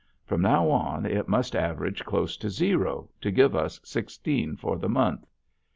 From now on it must average close to zero to give us sixteen for the month.